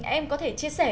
em có thể chia sẻ